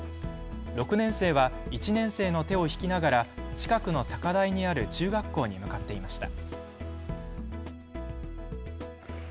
６年生は１年生の手を引きながら近くの高台にある中学校に向かっていました。